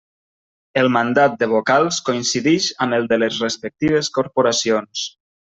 El mandat de vocals coincidix amb el de les respectives corporacions.